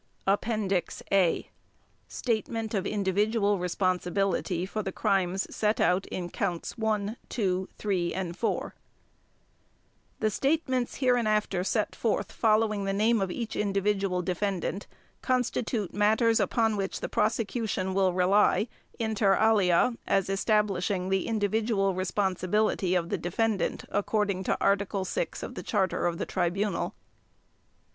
APPENDIX A Statement of Individual Responsibility for Crimes Set Out in Counts One, Two, Three, and Four The statements hereinafter set forth following the name of each individual defendant constitute matters upon which the prosecution will rely inter alia as establishing the individual responsibility of the defendant according to Article 6 of the Charter of the Tribunal.